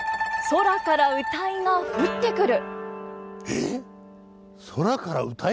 「空から謡が降ってくる」？